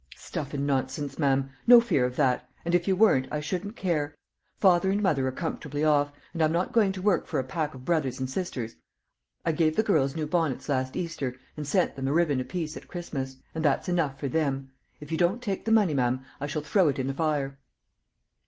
"Stuff and nonsense, ma'am! no fear of that; and if you weren't, I shouldn't care. Father and mother are comfortably off; and I'm not going to work for a pack of brothers and sisters. I gave the girls new bonnets last Easter, and sent them a ribbon apiece at Christmas; and that's enough for them. If you don't take the money, ma'am, I shall throw it in the fire."